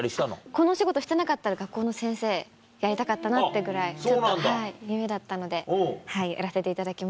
このお仕事してなかったら学校の先生やりたかったぐらい夢だったのでやらせていただきます。